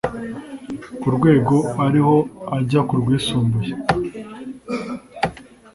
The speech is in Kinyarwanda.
ku rwego ariho ajya ku rwisumbuye